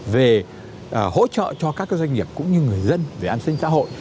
về hỗ trợ cho các doanh nghiệp cũng như người dân về an sinh xã hội